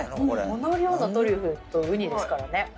この量のトリュフとウニですからね。